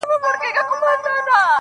وه ه ژوند به يې تياره نه وي.